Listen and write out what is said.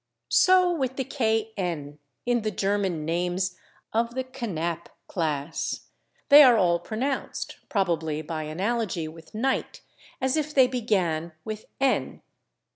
So with the /kn/ in the German names of the /Knapp/ class; they are all pronounced, probably by analogy with /Knight/, as if they began with /n